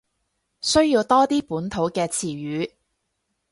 需要多啲本土嘅詞語